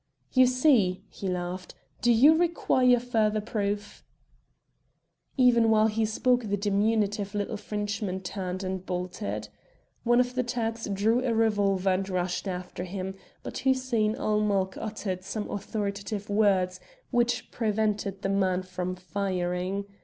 "You see," he laughed. "Do you require further proof?" Even while he spoke the diminutive little Frenchman turned and bolted. One of the Turks drew a revolver and rushed after him, but Hussein ul Mulk uttered some authoritative words which prevented the man from firing.